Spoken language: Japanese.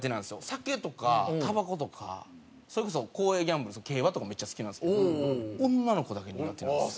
酒とかたばことかそれこそ公営ギャンブル競馬とかもめっちゃ好きなんですけど女の子だけ苦手なんです。